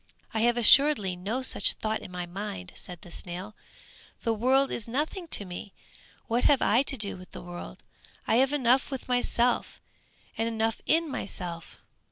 "I have assuredly no such thought in my mind," said the snail, "the world is nothing to me! What have I to do with the world? I have enough with myself, and enough in myself!"